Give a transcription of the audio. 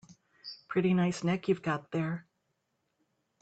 Pretty nice neck you've got there.